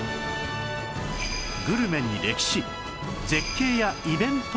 グルメに歴史絶景やイベントまで